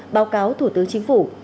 báo cáo thủ tướng chính phủ